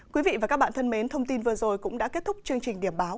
quý vị và các bạn thân mến thông tin vừa rồi cũng đã kết thúc chương trình điểm báo